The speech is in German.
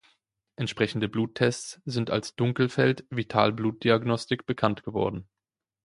Entsprechende Bluttests sind als "Dunkelfeld-Vitalblutdiagnostik" bekannt geworden.